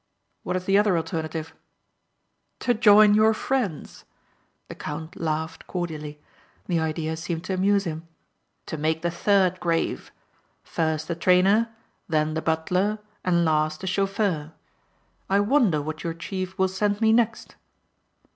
"What is the other alternative?" "To join your friends." The count laughed cordially. The idea seemed to amuse him. "To make the third grave. First the trainer, then the butler and last the chauffeur. I wonder what your chief will send me next."